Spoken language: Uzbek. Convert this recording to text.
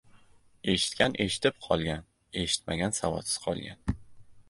Eshitgan eshitib qolgan, eshitmagan savodsiz qolgan.